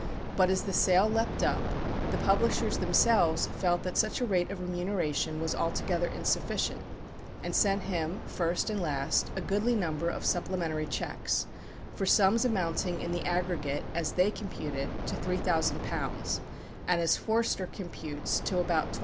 But as the sale leapt up, the publishers themselves felt that such a rate of remuneration was altogether insufficient, and sent him, first and last, a goodly number of supplementary cheques, for sums amounting in the aggregate, as they computed, to £3,000, and as Forster computes to about £2,500.